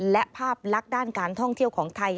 และภาพลักษณ์ด้านการท่องเที่ยวของไทย